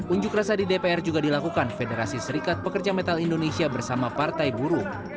unjuk rasa di dpr juga dilakukan federasi serikat pekerja metal indonesia bersama partai buruh